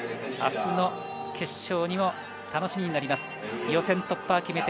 明日の決勝も楽しみになります。